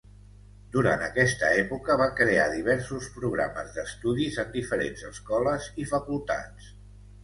Durant aquesta època va crear diversos programes d'estudis en diferents escoles i facultats.